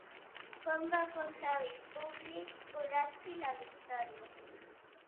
Com va aconseguir Publi Horaci la victòria?